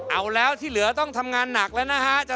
เอาแล้วที่เหลือต้องทำงานหนักแล้วนะฮะ